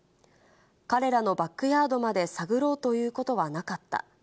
彼らのバックヤードまで探ろうということはなかった。